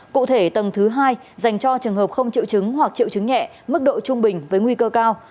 cụ thể tầng thứ hai dành cho trường hợp không triệu chứng hoặc triệu chứng nhẹ mức độ trung bình với nguy cơ cao